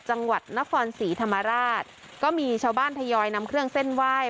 จังหวัดนครศรีธรรมราชก็มีชาวบ้านทยอยนำเครื่องเส้นไหว้